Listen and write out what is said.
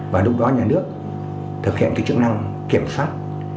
và lúc đó nhà nước thực hiện cái chức năng kiểm soát